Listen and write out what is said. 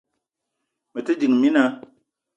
Me te ding, mina